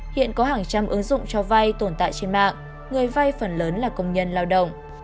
hiện có hàng trăm ứng dụng cho vay tồn tại trên mạng người vay phần lớn là công nhân lao động